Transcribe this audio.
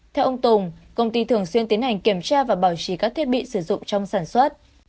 theo ông tùng công ty thường xuyên tiến hành kiểm tra và bảo trì các thiết bị sử dụng trong sản xuất